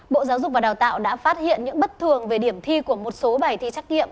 bộ giáo dục và đào tạo đã phát hiện những bất thường về điểm thi của một số bài thi trắc nghiệm